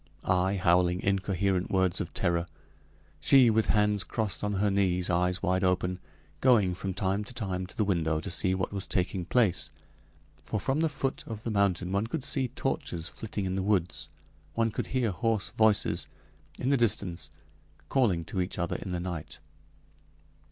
I, howling incoherent words of terror; she, with hands crossed on her knees, eyes wide open, going from time to time to the window to see what was taking place, for from the foot of the mountain one could see torches flitting in the woods. One could hear hoarse voices, in the distance, calling to each other in the night.